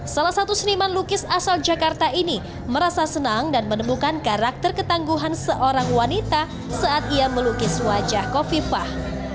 salah satu seniman lukis asal jakarta ini merasa senang dan menemukan karakter ketangguhan seorang wanita saat ia melukis wajah kofifah